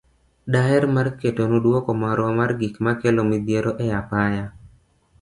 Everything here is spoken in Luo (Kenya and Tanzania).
Daher mar ketonu duoko marwa mar gik makelo midhiero e apaya.